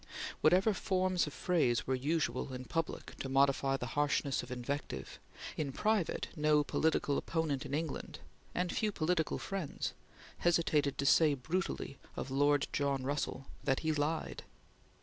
Whatever forms of phrase were usual in public to modify the harshness of invective, in private no political opponent in England, and few political friends, hesitated to say brutally of Lord John Russell that he lied.